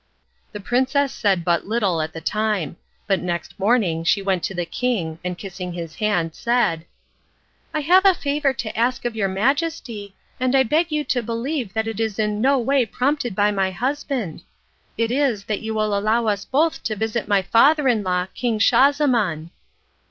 The princess said but little at the time, but next morning she went to the king, and kissing his hand said: "I have a favour to ask of your Majesty, and I beg you to believe that it is in no way prompted by my husband. It is that you will allow us both to visit my father in law King Schahzaman."